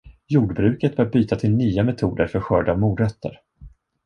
Jordbruket bör byta till nya metoder för skörd av morötter.